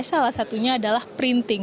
salah satunya adalah printing